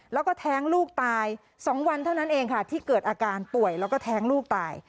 แล้วก็แท้งลูกตาย๒วันเท่านั้นเองค่ะที่เกิดอาการป่วยแล้วก็แท้งลูกตาย